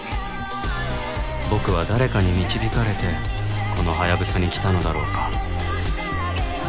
僕は誰かに導かれてこのハヤブサに来たのだろうか